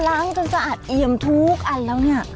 ล้างจนจะอาดเอี่ยมทุกอันแล้วนี่